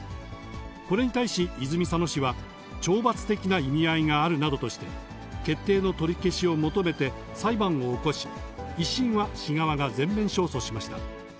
これに対し、泉佐野市は懲罰的な意味合いがあるなどとして、決定の取り消しを求めて裁判を起こし、１審は市側が全面勝訴しました。